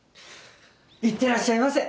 いってらっしゃいませ！